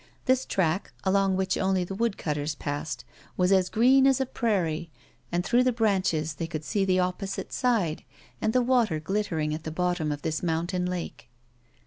This track, along which only the woodcutters passed, was as green as a prairie; and, through the branches, they could see the opposite side, and the water glittering at the bottom of this mountain lake.